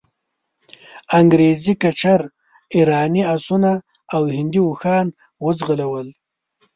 انګریزي کچر، ایراني آسونه او هندي اوښان وځغلول.